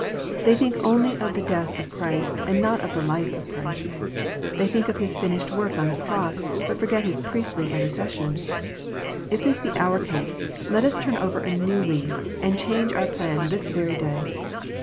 They think only of the death of Christ, and not of the life of Christ. They think of His finished work on the cross, but forget His priestly intercession. If this be our case, let us turn over a new leaf, and change our plan this very day.